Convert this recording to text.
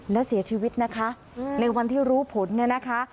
และเสียชีวิตนะคะในวันที่รู้ผลเนี่ยนะคะ